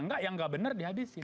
enggak yang nggak benar dihabisin